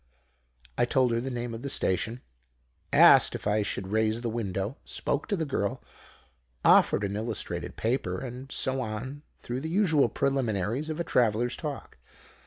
"I told her the name of the station; asked if I should raise the window; spoke to the girl; offered an illustrated paper, and so on through the usual preliminaries of a traveller's talk.